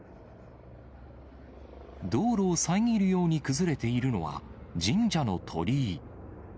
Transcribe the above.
道路を遮るように崩れているのは、神社の鳥居。